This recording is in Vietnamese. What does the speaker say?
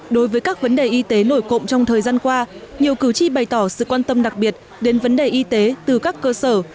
đối với các vấn đề y tế nổi cộng trong thời gian qua nhiều cử tri bày tỏ sự quan tâm đặc biệt đến vấn đề y tế từ các cơ sở